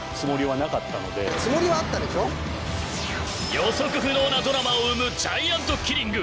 予測不能なドラマを生むジャイアントキリング。